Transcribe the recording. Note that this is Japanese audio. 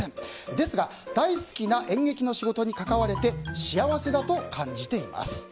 ですが、大好きな演劇の仕事に関われて幸せだと感じています。